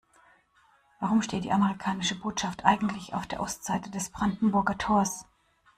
Warum steht die amerikanische Botschaft eigentlich auf der Ostseite des Brandenburger Tors?